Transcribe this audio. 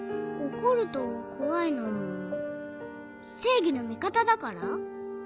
怒ると怖いのも正義の味方だから？